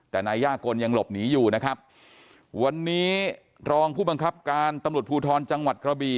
แต่นายย่ากลยังหลบหนีอยู่นะครับวันนี้รองผู้บังคับการตำรวจภูทรจังหวัดกระบี่